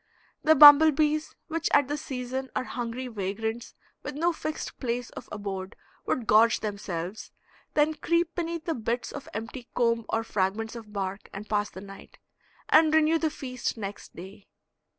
The bumble bees, which at this season are hungry vagrants with no fixed place of abode, would gorge themselves, then creep beneath the bits of empty comb or fragments of bark and pass the night, and renew the feast next day.